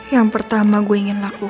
yang pertama gue ingin laku